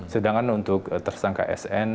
sedangkan untuk tersangka sn